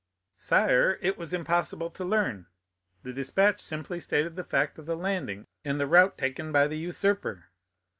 "Sire, it was impossible to learn; the despatch simply stated the fact of the landing and the route taken by the usurper."